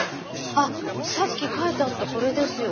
あっさっき書いてあったこれですよ。